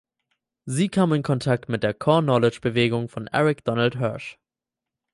Sie kam in Kontakt mit der "Core Knowledge" Bewegung von Eric Donald Hirsch.